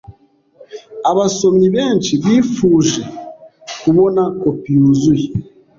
Abasomyi benshi bifuje kubona kopi yuzuye